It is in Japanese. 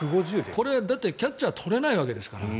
これはキャッチャーとれないわけですから。